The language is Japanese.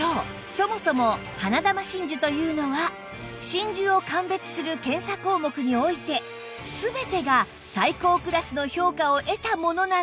そもそも花珠真珠というのは真珠を鑑別する検査項目において全てが最高クラスの評価を得たものなんですが